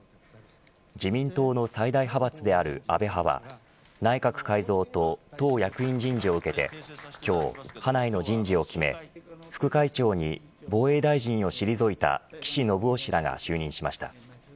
自民党の最大派閥である安倍派は内閣改造と党役員人事を受けて今日派内の人事を決め副会長に防衛大臣を退いた岸信夫氏らが就任しました。